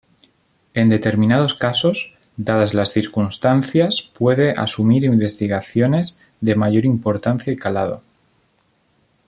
En determinados casos, dadas las circunstancias puede asumir investigaciones de mayor importancia y calado.